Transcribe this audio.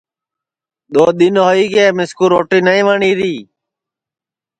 دؔو دؔن ہوئی گے مِسکُو روٹی نائی وٹؔیری